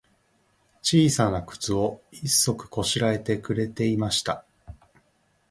ちいさなくつを、一足こしらえてくれていました。